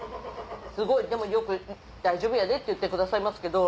すごいでもよく「大丈夫やで」って言ってくださいますけど。